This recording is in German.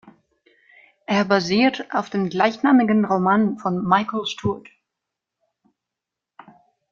Er basiert auf dem gleichnamigen Roman von Michael Stewart.